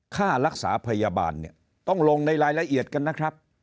ค่ารักษาพยาบาลเนี่ยต้องลงในรายละเอียดกันนะครับ